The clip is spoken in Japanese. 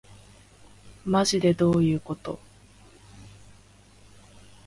まじでどういうこと